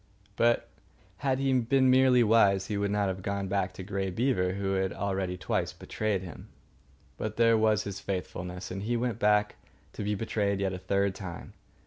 But had he been merely wise he would not have gone back to Grey Beaver who had already twice betrayed him. But there was his faithfulness, and he went back to be betrayed yet a third time.